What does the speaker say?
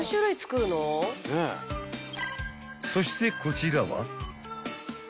［そしてこちらは］